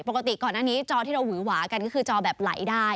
ปกติก่อนหน้านี้จอที่เราหือหวากันก็คือจอแบบไหลได้